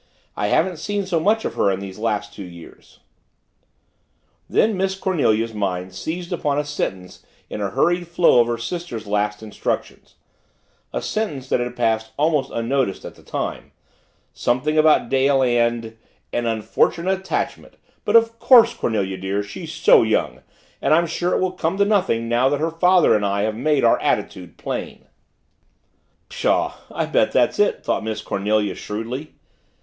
I haven't seen so much of her in these last two years " Then Miss Cornelia's mind seized upon a sentence in a hurried flow of her sister's last instructions a sentence that had passed almost unnoticed at the time something about Dale and "an unfortunate attachment but of course, Cornelia, dear, she's so young and I'm sure it will come to nothing now her father and I have made our attitude plain!" "Pshaw I bet that's it," thought Miss Cornelia shrewdly.